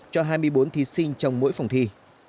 cho hai mươi bốn thí sinh trong mỗi phòng thi